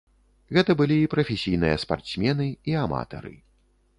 Гэта былі і прафесійныя спартсмены, і аматары.